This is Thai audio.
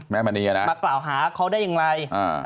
มากล่าวหาเขาได้ยังไง